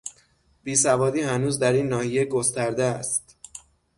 بیسوادی هنوز در این ناحیه گسترده است.